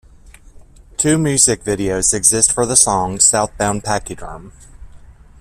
Two music videos exist for the song "Southbound Pachyderm".